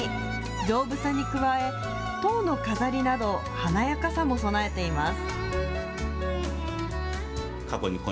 丈夫さに加え、とうの飾りなど、華やかさも備えています。